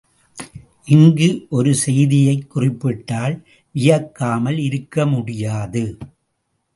இங்கு ஒரு செய்தியைக் குறிப்பிட்டால் வியக்காமல் இருக்க முடியாது.